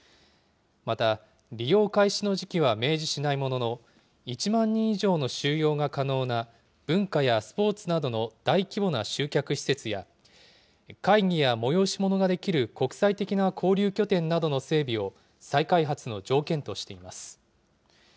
また、利用開始の時期は明示しないものの、１万人以上の収容が可能な、文化やスポーツなどの大規模な集客施設や、会議や催し物ができる国際的な交流拠点などの整備を再開発の条件としています。